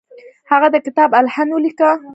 هغه د کتاب الهند ولیکه.